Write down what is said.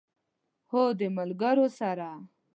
هو، د ملګرو سره